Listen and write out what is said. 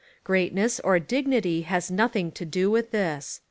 Greatness or dignity has nothing to do with this.